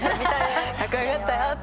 「カッコよかったよ」って。